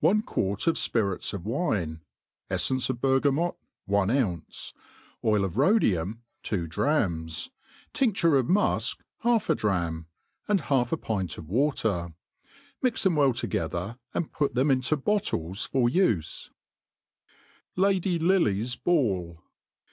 ONE quart of fpirits of wine ; eflfence of bergamot, one nunce; oil of Rhodium, two drachms^ trn£^ure of mufk, half a drachm, and half a pint of water ; mix them well together/ and put them ifito bottles for ufe, * Lady Lille/s Ball.